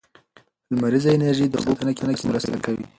لمریزه انرژي د اوبو په ساتنه کې مرسته کوي.